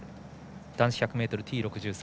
男子１００ｍＴ６３